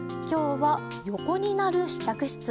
今日は、横になる試着室。